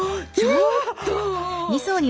ちょっと。